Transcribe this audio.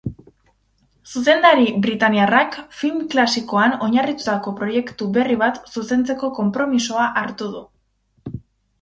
Zuzendari britainiarrak film klasikoan oinarritutako proiektu berri bat zuzentzeko konpromisoa hartu du.